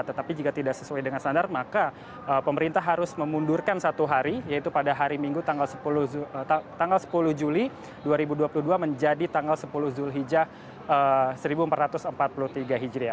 tetapi jika tidak sesuai dengan standar maka pemerintah harus memundurkan satu hari yaitu pada hari minggu tanggal sepuluh juli dua ribu dua puluh dua menjadi tanggal sepuluh zulhijjah seribu empat ratus empat puluh tiga hijriah